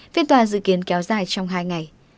phiên tòa dự kiến kéo dài trong hai ngày